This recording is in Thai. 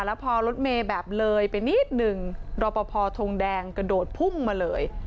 แล้วพอรถเมย์แบบเลยไปนิดนึงรอปภทงแดงกระโดดพุ่งมาเลย